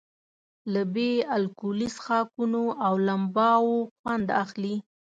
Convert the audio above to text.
له بې الکولي څښاکونو او لمباوو خوند اخلي.